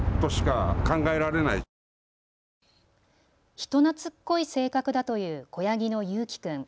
人なつっこい性格だという子ヤギのユーキくん。